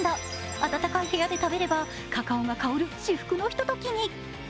暖かい部屋で食べれば、カカオが香る至福のひと時に。